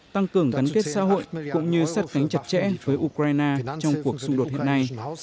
tăng cường gắn kết xã hội cũng như sát cánh chặt chẽ với ukraine trong cuộc xung đột hiện nay